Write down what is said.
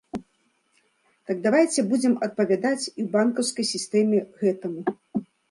Так давайце будзем адпавядаць і ў банкаўскай сістэме гэтаму.